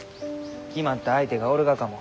決まった相手がおるがかも。